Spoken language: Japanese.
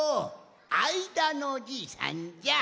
あいだのじいさんじゃ。